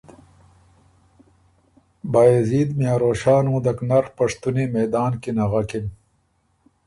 بائزید میاں روښان غُندک نر پشتُنی میدان کی نغکِن